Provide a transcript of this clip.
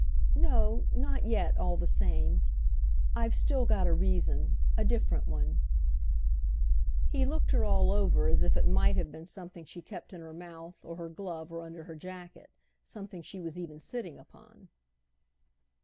"No, not yet, all the same. I've still got a reason—a different one." He looked her all over as if it might have been something she kept in her mouth or her glove or under her jacket—something she was even sitting upon.